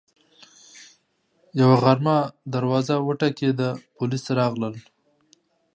یوه غرمه دروازه وټکېده، پولیس راغلل